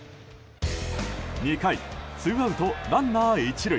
２回ツーアウト、ランナー１塁。